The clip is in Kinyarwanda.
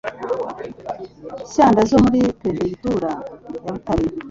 Shyanda zo muri Perefegitura ya Butare).